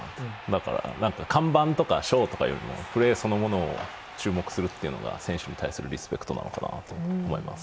だから、看板とかショーとかよりもプレーそのものを注目するっていうのが選手に対するリスペクトなのかなと思います。